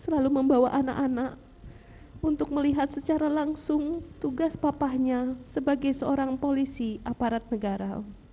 selalu membawa anak anak untuk melihat secara langsung tugas papahnya sebagai seorang polisi aparat negara